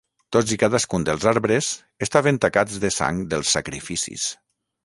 Tots i cadascun dels arbres estaven tacats de sang dels sacrificis.